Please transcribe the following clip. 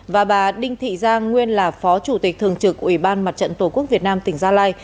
và bà đinh thị giang nguyên là phó chủ tịch thường trực ủy ban mặt trận tổ quốc việt nam tỉnh gia lai